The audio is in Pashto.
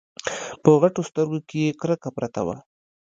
په غټو سترګو کې يې کرکه پرته وه.